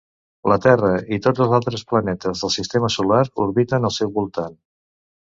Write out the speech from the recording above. La Terra i tots els altres planetes del sistema solar orbiten al seu voltant.